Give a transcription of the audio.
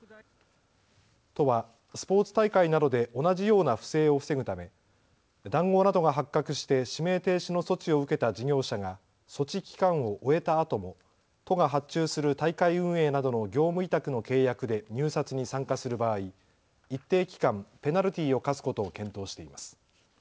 都はスポーツ大会などで同じような不正を防ぐため談合などが発覚して指名停止の措置を受けた事業者が措置期間を終えたあとも都が発注する大会運営などの業務委託の契約で入札に参加する場合、一定期間、ペナルティーを科すことを検討しています。